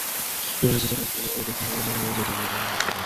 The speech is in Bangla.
এমনিতে দৌড়ের ব্যাপারে একটু অনীহা আছে, কাজটা চার-ছয় মেরে করতেই ভালোবাসেন।